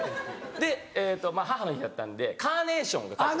でまぁ母の日だったんでカーネーションが書いてある。